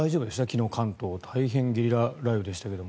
昨日、関東大変なゲリラ雷雨でしたけど。